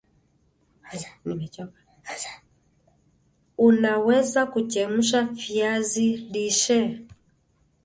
Unaweza Kuchemsha viazi lishe